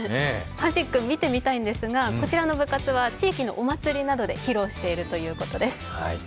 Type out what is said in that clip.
マジック見てみたいんですが、こちらの部活は地域のお祭りなどで披露しているということです。